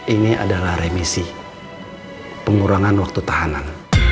ini adalah remisi pengurangan waktu tahanan